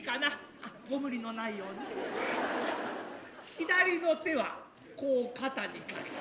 左の手はこう肩に掛けて。